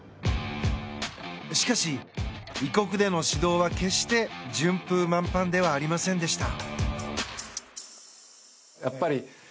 しかし、異国での指導は決して順風満帆ではありませんでした。